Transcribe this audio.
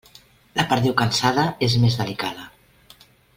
La perdiu cansada és més delicada.